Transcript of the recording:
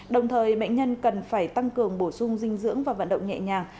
đồng thời bệnh nhân cần phải tăng cường bổ sung dinh dưỡng và vận động nhẹ nhàng